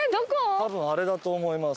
多分あれだと思います。